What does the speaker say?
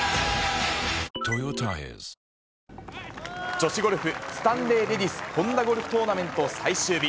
女子ゴルフ、スタンレーレディスホンダゴルフトーナメント最終日。